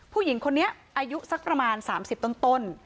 ผู้หญิงคนนี้อายุสักประมาณ๓๐ต้น